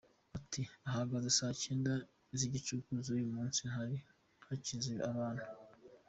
Ati “Ahagana saa Cyenda z’igicuku z’uyu munsi, hari hakiza abantu.